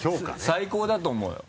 最高だと思うよ。